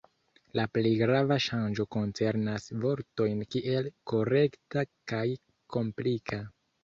La plej grava ŝanĝo koncernas vortojn kiel "korekta" kaj "komplika".